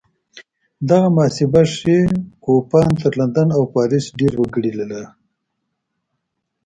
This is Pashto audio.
دغه محاسبه ښيي کوپان تر لندن او پاریس ډېر وګړي لرل